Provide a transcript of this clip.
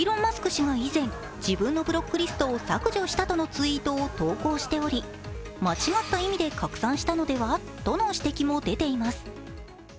氏が以前、自分のブロックリストを削除したとのツイートを投稿しており、間違った意味で拡散したのではとの指摘も出ています。